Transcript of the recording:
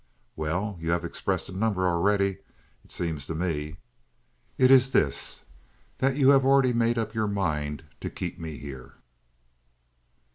"Well? You have expressed a number already, it seems to me." "It's this: that you've already made up your mind to keep me here."